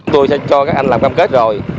tôi sẽ cho các anh làm cam kết rồi